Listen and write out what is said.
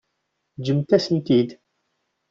Ǧǧemt-asen-tent-id.